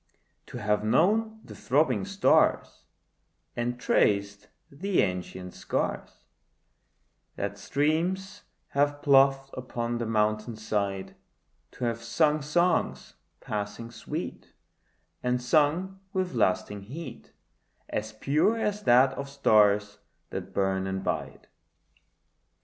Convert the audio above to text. To have known the throbbing stars, And traced the ancient scars That streams have ploughed upon the mountain side; To have sung songs passing sweet, And sung with lasting heat As pure as that of stars that burn and bide.